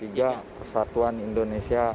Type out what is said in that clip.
tiga persatuan indonesia